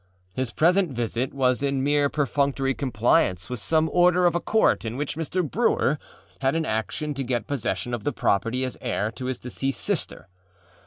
His present visit was in mere perfunctory compliance with some order of a court in which Mr. Brewer had an action to get possession of the property as heir to his deceased sister.